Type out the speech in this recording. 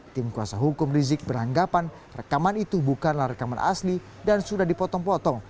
tim kuasa hukum rizik beranggapan rekaman itu bukanlah rekaman asli dan sudah dipotong potong